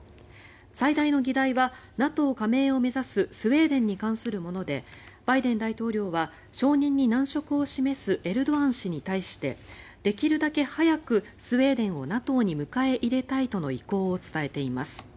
最大の議題はＮＡＴＯ加盟を目指すスウェーデンに関するものでバイデン大統領は承認に難色を示すエルドアン氏に対してできるだけ早くスウェーデンをＮＡＴＯに迎え入れたいとの意向を伝えています。